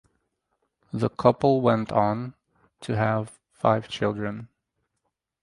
The couple went on to have five children.